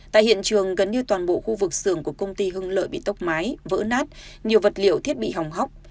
tại hiện trường gần như toàn bộ khu vực xưởng của công ty hưng lợi bị tốc mái vỡ nát nhiều vật liệu thiết bị hỏng hóc